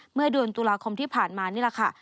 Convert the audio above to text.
เมื่อเดือนตุลาคมที่ผ่านมานี่แหละค่ะ